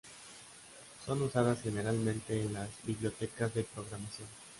Son usadas generalmente en las bibliotecas de programación.